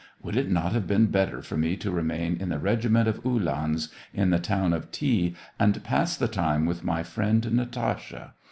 Would it not have been better for me to remai n in the regiment of Uhlans, in the town of T., and pass the time with my friend Natasha